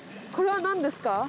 これは何ですか？